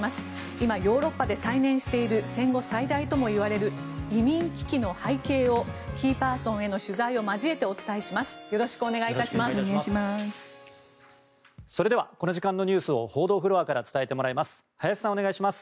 今、ヨーロッパで再燃している戦後最大ともいわれる移民危機の背景をキーパーソンへの取材を交えてお伝えします。